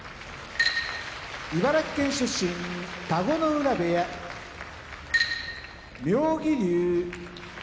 茨城県出身田子ノ浦部屋妙義龍